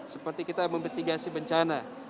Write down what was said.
seperti kita memitigasi bencana